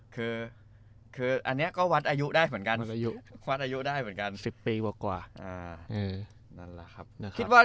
คืออันนี้ก็วัดอายุได้เหมือนกัน